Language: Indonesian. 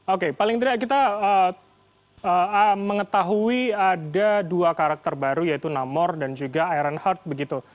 oke paling tidak kita mengetahui ada dua karakter baru yaitu namore dan juga iron heart begitu